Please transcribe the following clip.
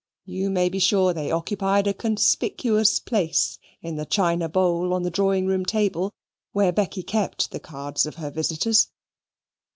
You may be sure they occupied a conspicuous place in the china bowl on the drawing room table, where Becky kept the cards of her visitors.